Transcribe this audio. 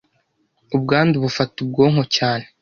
Ubwandu bufata ubwonko cyane